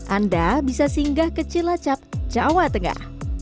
anda bisa singgah ke cilacap jawa tengah